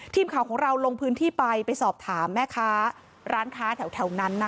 ทีมข่าวของเราลงพื้นที่ไปไปสอบถามแม่ค้าร้านค้าแถวนั้นนะคะ